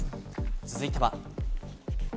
続いては。